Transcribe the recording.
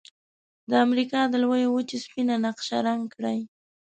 د امریکا د لویې وچې سپینه نقشه رنګ کړئ.